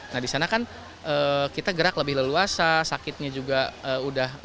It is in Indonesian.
nah di sana kan kita gerak lebih leluasa sakitnya juga udah